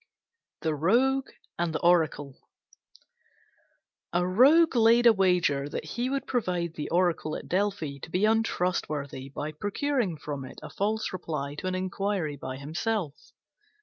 THE ROGUE AND THE ORACLE A Rogue laid a wager that he would prove the Oracle at Delphi to be untrustworthy by procuring from it a false reply to an inquiry by himself.